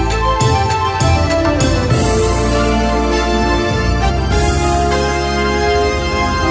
โชว์สี่ภาคจากอัลคาซ่าครับ